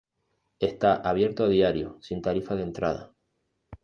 Está abierto a diario sin tarifa de entrada.